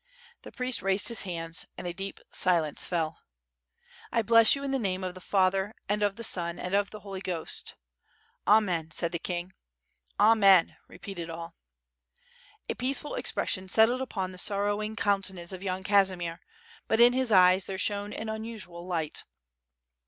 The priest raised his hands and a deep silence fell. "I bless you in the name of the Father, and of the Son, and of the Holy Ghost/' 798 W^^^ ^'^^^^^'^ SWORD. Amen!" said the king. "Amen!" repeat i^d all. A peaceful expression settled upon the sorrowing coun tenance of Yan Kaziniier, but in his eyes there shone an un usual light.